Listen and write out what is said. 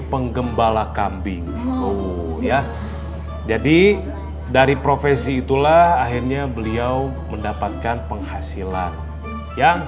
penggembala kambing oh ya jadi dari profesi itulah akhirnya beliau mendapatkan penghasilan yang